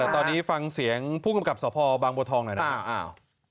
แต่ตอนนี้ฟังเสียงผู้กำกับสภบางบัวทองหน่อยนะครับ